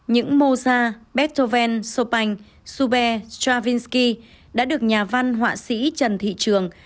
những mozart beethoven chopin schubert stravinsky đã được nhà văn họa sĩ trần thị trường